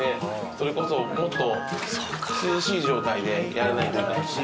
それこそもっと涼しい状態でやらないといかんし。